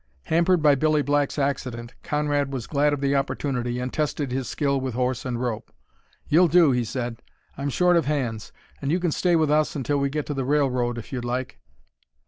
Hampered by Billy Black's accident, Conrad was glad of the opportunity and tested his skill with horse and rope. "You'll do," he said. "I'm short of hands, and you can stay with us until we get to the railroad if you like."